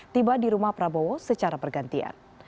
tiba di rumah prabowo secara bergantian